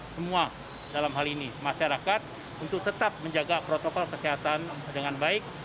semua dalam hal ini masyarakat untuk tetap menjaga protokol kesehatan dengan baik